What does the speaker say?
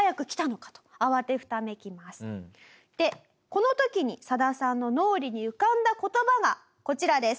この時にサダさんの脳裏に浮かんだ言葉がこちらです。